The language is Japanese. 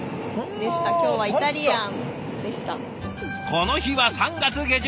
この日は３月下旬。